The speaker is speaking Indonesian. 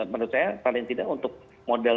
menurut saya paling tidak untuk model